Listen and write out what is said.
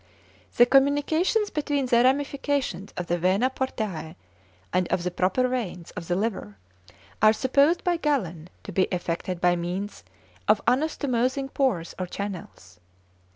The communications between the ramifications of the vena portæ and of the proper veins of the liver are supposed by Galen to be effected by means of anastomosing pores or channels.